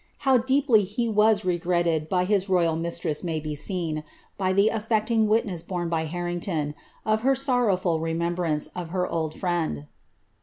How deeply he was regretted by his royal mistress may be seen, by the aSccting witness borne by Harrington, of ber sorrowful remetubiaoce of her old friend.